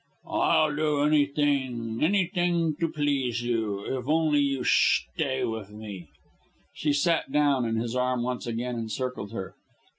"I'll do anything anything to please you if only you shtay with me." She sat down, and his arm once again encircled her.